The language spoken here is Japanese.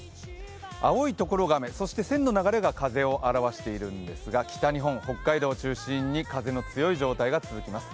青いところが雨、線の流れが風を現しているんですが、北日本、北海道を中心に風の強い状態が続きます。